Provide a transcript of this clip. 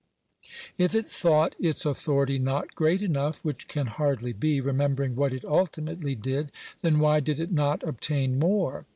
If it thought its au thority not great enough (which can hardly be, remembering what it ultimately did), then why did it not obtain more?